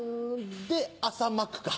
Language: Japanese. で朝マックか。